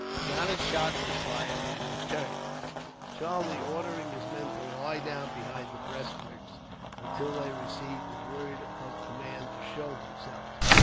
Not a shot was fired in return, Charlie ordering his men to lie down behind the breastworks, until they received the word of command to show themselves.